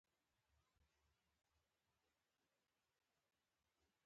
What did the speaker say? هغې د نازک رڼا په اړه خوږه موسکا هم وکړه.